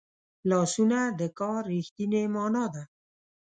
لاسونه د کار رښتینې مانا ده